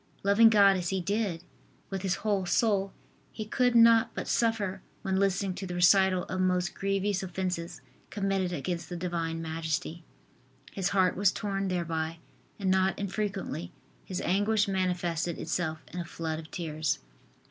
Loving God as he did, with his whole soul, he could not but suffer when listening to the recital of most grievous offences committed against the Divine Majesty. His heart was torn thereby and not infrequently his anguish manifested itself in a flood of tears.